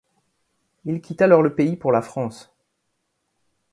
Il quitte alors le pays pour la France.